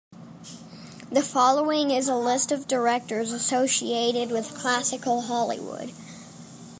The following is a list of directors associated with classical Hollywood.